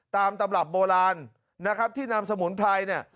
ตำรับโบราณนะครับที่นำสมุนไพรเนี่ย